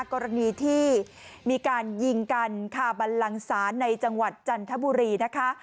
กรณีที่มีการยิงกันคาบันลังศาลในจังหวัดจันทบุรีนะคะ